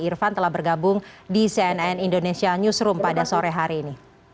tetaplah di cnn indonesia newsroom